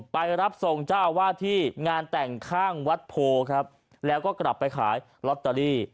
ไปรับทรงเจ้าอาวาสที่งานแต่งข้างวัดโพครับแล้วก็กลับไปขายลอตเตอรี่